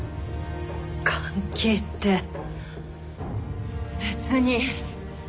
関係って別に。